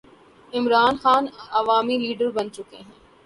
عمران خان عوامی لیڈر بن چکے ہیں۔